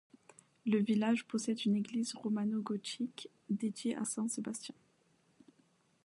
Le village possède une église romano-gothique dédiée à saint Sébastien.